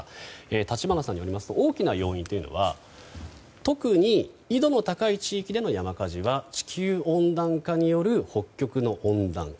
立花さんによりますと大きな要因というのは特に緯度の高い地域での山火事は地球温暖化による北極の温暖化。